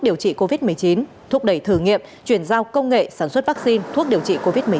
điều trị covid một mươi chín thúc đẩy thử nghiệm chuyển giao công nghệ sản xuất vaccine thuốc điều trị covid một mươi chín